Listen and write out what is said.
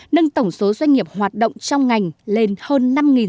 nâng tổng số doanh nghiệp hoạt động trong ngành lên hơn năm sáu trăm linh